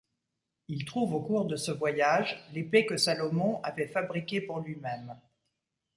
Il trouve au cours de ce voyage l'épée que Salomon avait fabriquée pour lui-même.